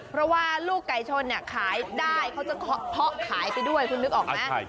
เพราะว่าลูกไก่ชนขายได้เขาจะเพาะขายไปด้วยคุณนึกออกไหม